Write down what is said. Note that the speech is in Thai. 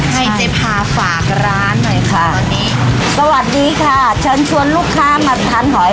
ให้เจภาฝากร้านหน่อยค่ะ